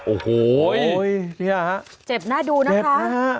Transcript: โอ้โหโอ้โหเจ็บหน้าดูนะคะเจ็บหน้า